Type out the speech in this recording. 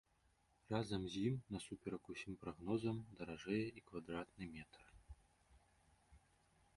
Разам з ім, насуперак усім прагнозам, даражэе і квадратны метр.